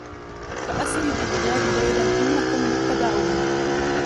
فَأَسْرِ بِعِبَادِي لَيْلًا إِنَّكُمْ مُتَّبَعُونَ